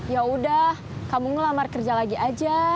yaudah kamu ngelamar kerja lagi aja